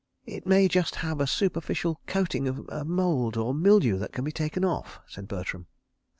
"It may just have a superficial coating of mould or mildew that can be taken off," said Bertram.